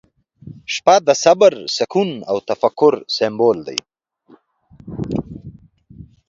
• شپه د صبر، سکون، او تفکر سمبول دی.